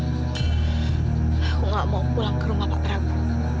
aku gak mau pulang ke rumah pak prabowo